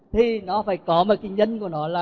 thì nó phải có một kinh dân của nó là